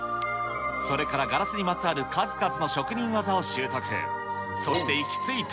それからガラスにまつわる数々の職人技を習得。